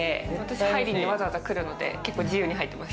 入りにわざわざ来るので、結構自由に入ってます。